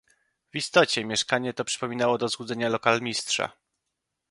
"W istocie mieszkanie to przypominało do złudzenia lokal mistrza."